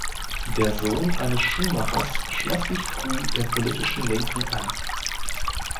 Der Sohn eines Schuhmachers schloss sich früh der politischen Linken an.